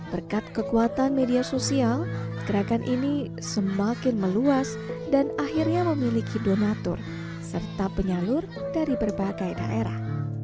berkat kekuatan media sosial gerakan ini semakin meluas dan akhirnya memiliki donatur serta penyalur dari berbagai daerah